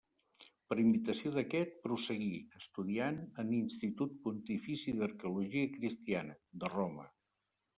Per invitació d'aquest, prosseguí estudiant en Institut Pontifici d'Arqueologia Cristiana, de Roma.